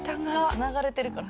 つながれてるから。